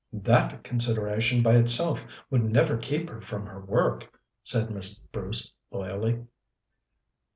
"That consideration by itself would never keep her from her work," said Miss Bruce loyally.